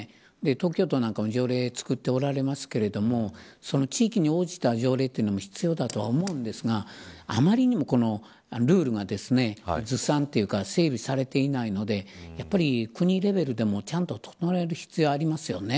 東京都なんかも条例を作っておられますがその地域に応じた条例も必要だと思いますがあまりにもルールがずさんというか整理されていないので国レベルでちゃんと整える必要がありますよね。